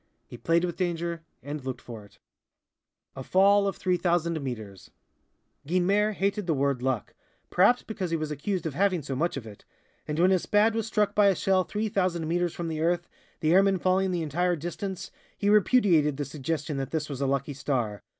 He played with danger, and looked for it. A Fall of 3,000 Meters Guynemer hated the word "luck," perhaps because he was accused of having so much of it, and when his Spad was struck by a shell 3,000 meters from the earth, the airman falling the entire distance, he repudiated the suggestion that his was a lucky star!